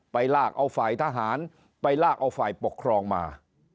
ลากเอาฝ่ายทหารไปลากเอาฝ่ายปกครองมา